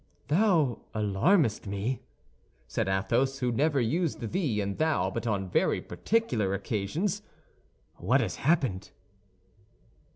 "Thou alarmest me!" said Athos, who never used thee and thou but upon very particular occasions, "what has happened?"